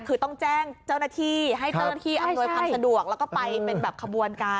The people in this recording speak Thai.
คือต้องแจ้งเจ้าหน้าที่ให้เจ้าหน้าที่อำนวยความสะดวกแล้วก็ไปเป็นแบบขบวนการ